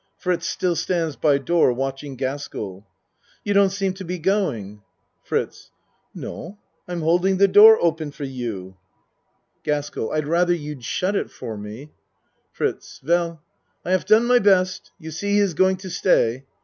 (Fritz still stands by door watching Gaskell.) You don't seem to be going? FRITZ No, I'm holding the door open for you. 3 8 A MAN'S WORLD GASKELL I'd rather you'd shut it for me. FRITZ Veil I haf done my best you see he is going to stay.